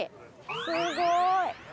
すごーい。